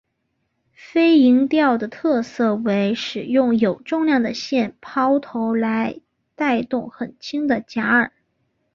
飞蝇钓的特色为使用有重量的线抛投来带动很轻的假饵。